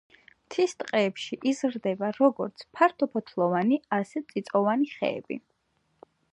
მთის ტყეებში იზრდება როგორც ფართოფოთლოვანი, ისე წიწვოვანი ხეები.